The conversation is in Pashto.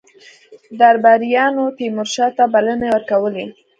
درباریانو تیمورشاه ته بلنې ورکولې.